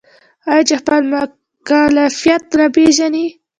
آیا چې خپل مکلفیت نه پیژني؟